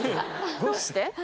どうして？